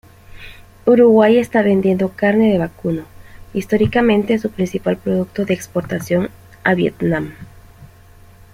Uruguay está vendiendo carne de vacuno, históricamente su principal producto de exportación, a Vietnam.